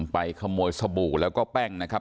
ไปขโมยสบู่แล้วก็แป้งนะครับ